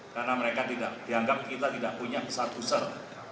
karena mereka dianggap kita tidak punya besar besar